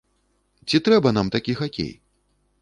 Ці трэба нам такі хакей?